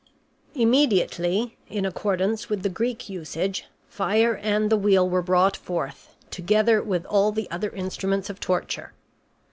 Immediately, in accordance with the Greek usage, fire and the wheel were brought forth, together with all the other instruments of torture.